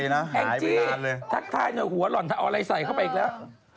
หายไม่นานเลยจริงจริงทักทายหน่อยหัวหล่อนเอาอะไรใส่เข้าไปอีกแล้ว